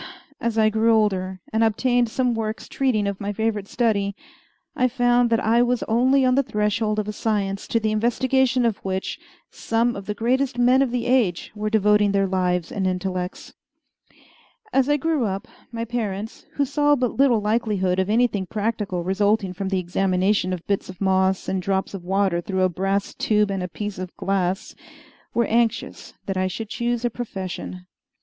as I grew older, and obtained some works treating of my favorite study, I found that I was only on the threshold of a science to the investigation of which some of the greatest men of the age were devoting their lives and intellects. As I grew up, my parents, who saw but little likelihood of anything practical resulting from the examination of bits of moss and drops of water through a brass tube and a piece of glass, were anxious that I should choose a profession.